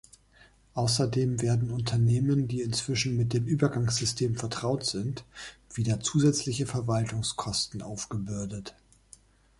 Außerdem werden Unternehmen, die inzwischen mit dem Übergangssystem vertraut sind, wieder zusätzliche Verwaltungskosten aufgebürdet.